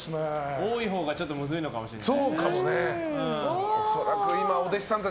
多いほうがむずいのかもしれない。